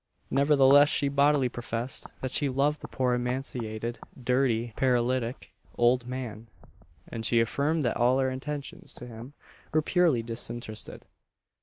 Nevertheless she bodily professed that she loved the poor emaciated, dirty, paralytic old man; and she affirmed that all her attentions to him were purely disinterested.